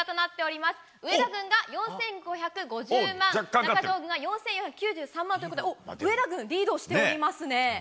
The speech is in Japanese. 上田軍が４５５０万中条軍が４４９３万ということで上田軍リードしておりますね。